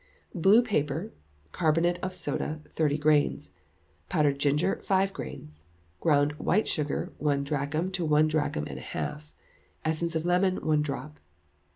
Blue paper; Carbonate of soda, thirty grains; powdered ginger, five grains; ground white sugar, one drachm to one drachm and a half; essence of lemon, one drop.